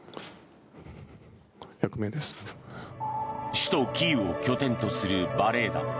首都キーウを拠点とするバレエ団。